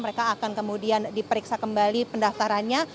mereka akan kemudian diperiksa kembali pendaftarannya